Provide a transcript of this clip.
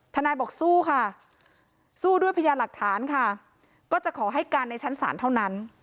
นายบอกสู้ค่ะสู้ด้วยพยานหลักฐานค่ะก็จะขอให้การในชั้นศาลเท่านั้น